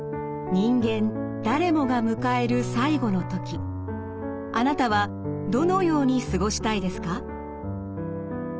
人間誰もが迎えるあなたはどのように過ごしたいですか？